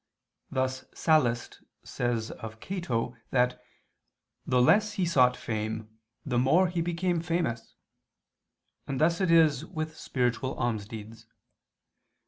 Thus Sallust says of Cato (Catilin.), that "the less he sought fame, the more he became famous": and thus it is with spiritual almsdeeds.